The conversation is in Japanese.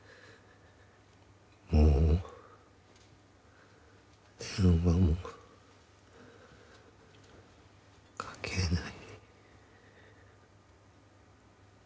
「もう電話もかけない」